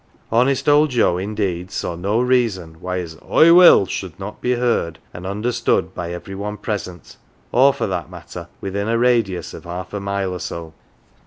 Honest old Joe indeed s;i\\ no reason why his " Oi wull " should not be heard and understood by every one present, or, for that matter, within a radius of half a mile or so.